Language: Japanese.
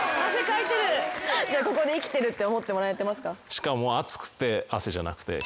しかも。